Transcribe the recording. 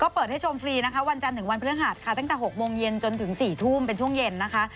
เปิดให้ชมฟรีนะคะวันจันทร์ถึงวันพฤหัสค่ะตั้งแต่๖โมงเย็นจนถึง๔ทุ่มเป็นช่วงเย็นนะคะ